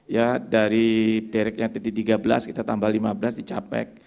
ya dari directnya tadi tiga belas kita tambah lima belas di capek